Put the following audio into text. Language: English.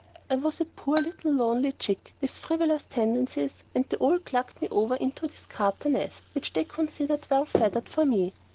I was a poor, little, lonely chick with frivolous tendencies, and they all clucked me over into this Carter nest, which they considered well feathered for me.